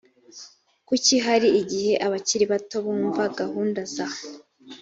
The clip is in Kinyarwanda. kuki hari igihe abakiri bato bumva gahunda za